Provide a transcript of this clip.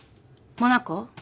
モナコ